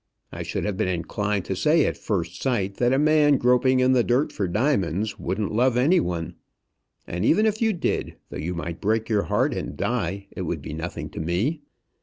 I should have been inclined to say at first sight that a man groping in the dirt for diamonds wouldn't love any one. And even if you did, though you might break your heart and die, it would be nothing to me.